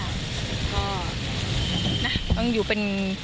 แล้วก็น่ะต้องอยู่เป็น